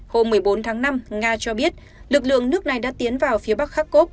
hôm một mươi bốn tháng năm nga cho biết lực lượng nước này đã tiến vào phía bắc kharkov